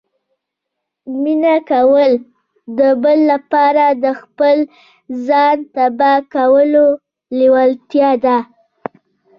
مینه کول د بل لپاره د خپل ځان تباه کولو لیوالتیا ده